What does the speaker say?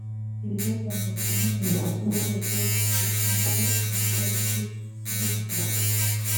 Ibyo byatangajwe n’Umuyobozi w’urwego rushinzwe amapariki muri Zimbabwe